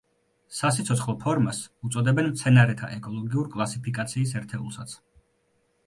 სასიცოცხლო ფორმას უწოდებენ მცენარეთა ეკოლოგიურ კლასიფიკაციის ერთეულსაც.